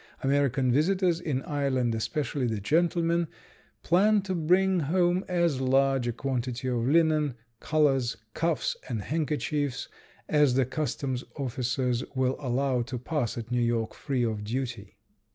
American visitors in Ireland, especially the gentlemen, plan to bring home as large a quantity of linen collars, cuffs, and handkerchiefs as the customs officers will allow to pass at New York free of duty.